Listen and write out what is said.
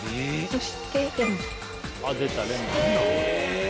そして。え！